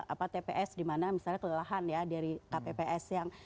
apa tps dimana misalnya kelelahan ya dari kpps yang